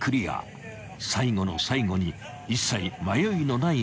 ［最後の最後に一切迷いのない走りを見せた］